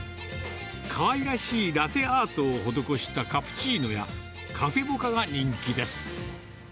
かわいらしいラテアートを施したカプチーノや、カフェモカが人気です。